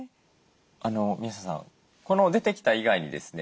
宮下さん出てきた以外にですね